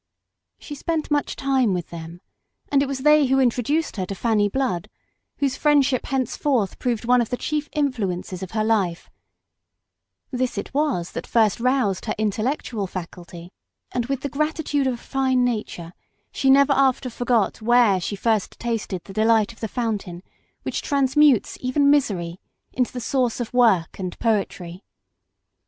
She spent much time with them, and it was they who introduced her to Fanny Blood, whose friendship henceforth proved one of the chief influences of her life ; this it was that first roused her intellectual faculty, and, with the gratitude of a fine nature, she never after forgot where she first tasted the delight of the fountain which transmutes even misery into the source of work and poetry.